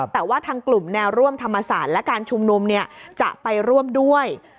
แต่ว่าทางกลุ่มแนวร่วมธรรมศาสตร์และการชุมนุมจะไปร่วมด้วย